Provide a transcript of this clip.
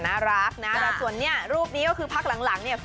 น่ารักนะแต่ส่วนเนี่ยรูปนี้ก็คือพักหลังเนี่ย